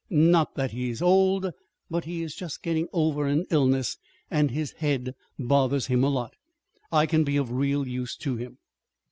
Not that he is old, but he is just getting over an illness, and his head bothers him a lot. I can be of real use to him.